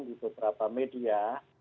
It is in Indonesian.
di beberapa media